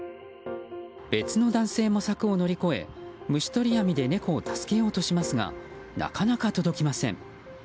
別の男性も柵を乗り越え虫取り網で猫を助けようとしますがなかなか届きません。